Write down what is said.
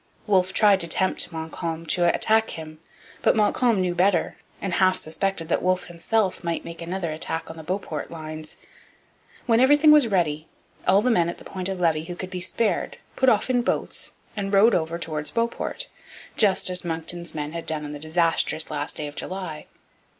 Wolfe tried to tempt Montcalm to attack him. But Montcalm knew better; and half suspected that Wolfe himself might make another attack on the Beauport lines. When everything was ready, all the men at the Point of Levy who could be spared put off in boats and rowed over towards Beauport, just as Monckton's men had done on the disastrous last day of July.